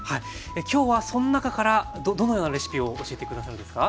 今日はその中からどのようなレシピを教えて下さるんですか？